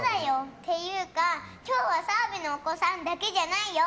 っていうか今日は澤部のお子さんだけじゃないよ。